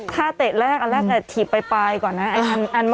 ถ้าเตะแรกอันแรกถีบปลายก่อนนะ